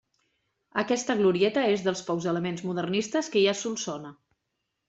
Aquesta glorieta és dels pocs elements modernistes que hi ha Solsona.